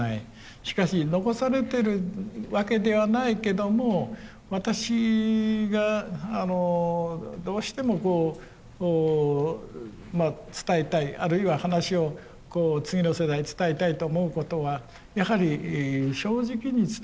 しかし残されてるわけではないけども私がどうしてもこう伝えたいあるいは話を次の世代に伝えたいと思うことはやはり正直に伝えていこう。